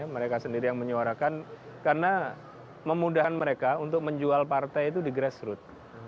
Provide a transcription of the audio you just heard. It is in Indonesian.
mereka sendiri yang menyuarakan karena memudahkan mereka untuk menjual partai itu di grassroot